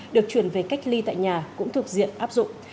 được chuyển về cách ly tại nhà cũng thuộc diện áp dụng